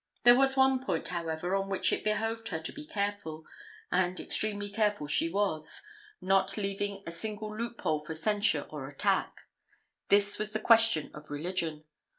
There was one point, however, on which it behoved her to be careful: and extremely careful she was, not leaving a single loop hole for censure or attack. This was the question of religion.